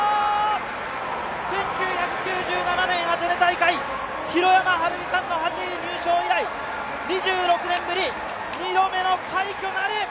１９９７年アテネ大会、弘山晴美さんの８位入賞以来、２６年ぶり、２度目の快挙なる！